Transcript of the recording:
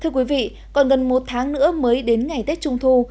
thưa quý vị còn gần một tháng nữa mới đến ngày tết trung thu